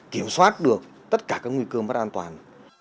kiểm soát được tất cả các nguy cơ mất an toàn